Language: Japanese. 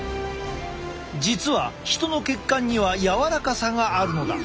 実は人の血管には柔らかさがあるのだ。